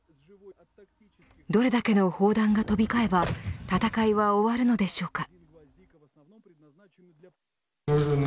どれだけの砲弾が飛び交えば戦いは終わるのでしょうか。